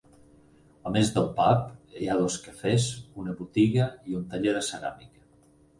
A més del pub, hi ha dos cafès, una botiga i un taller de ceràmica.